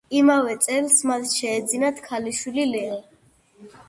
იმავე წელს მათ შეეძინათ ქალიშვილი ლეა.